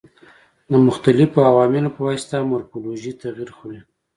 د مختلفو عواملو په واسطه مورفولوژي تغیر خوري.